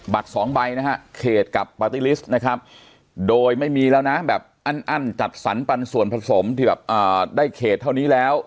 สองใบนะฮะเขตกับปาร์ตี้ลิสต์นะครับโดยไม่มีแล้วนะแบบอั้นจัดสรรปันส่วนผสมที่แบบได้เขตเท่านี้แล้ว